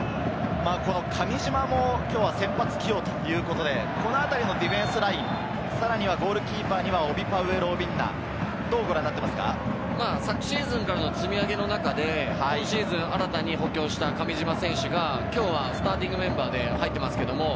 上島も今日は先発起用ということで、このあたりのディフェンスライン、ゴールキーパーにオビ・パウエル・オビンナ、どうご覧になっていますか？昨シーズンからの積み上げの中で今シーズン補強した上島選手がスターティングメンバーで入っています。